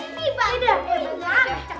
ini bakal berantem